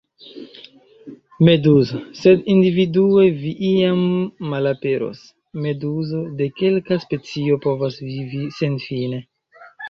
Meduzo: "Sed individue vi iam malaperos. Meduzo de kelka specio povas vivi senfine."